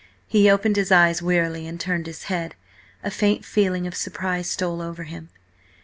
He opened his eyes wearily, and turned his head. A faint feeling of surprise stole over him.